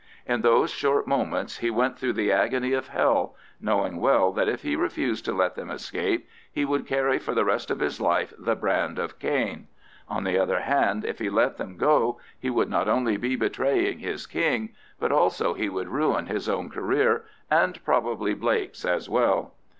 In those short moments he went through the agony of hell, knowing well that if he refused to let them escape he would carry for the rest of his life the brand of Cain; on the other hand, if he let them go he would not only be betraying his King, but also he would ruin his own career, and probably Blake's as well.